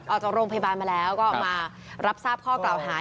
ออกจากโรงพยาบาลมาแล้วก็มารับทราบข้อกล่าวหา